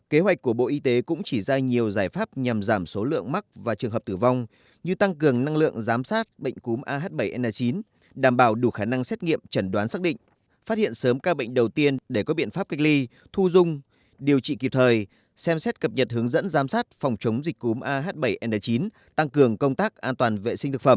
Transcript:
kế hoạch của bộ y tế cũng chỉ ra nhiều giải pháp nhằm giảm số lượng mắc và trường hợp tử vong như tăng cường năng lượng giám sát bệnh cúm ah bảy n chín đảm bảo đủ khả năng xét nghiệm trần đoán xác định phát hiện sớm các bệnh đầu tiên để có biện pháp cách ly thu dung điều trị kịp thời xem xét cập nhật hướng dẫn giám sát phòng chống dịch cúm ah bảy n chín tăng cường công tác an toàn vệ sinh thực phẩm